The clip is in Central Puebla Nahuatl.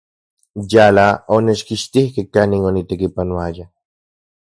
Yala onechkixtikej kanin onitekipanoaya.